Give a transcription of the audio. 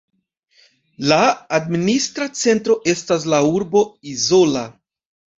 La administra centro estas la urbo Izola.